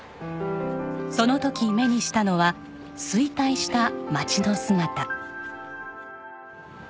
その時目にしたのは衰退した町の姿。